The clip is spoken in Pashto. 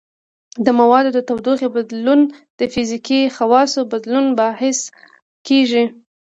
د موادو د تودوخې بدلون د فزیکي خواصو بدلون باعث کیږي.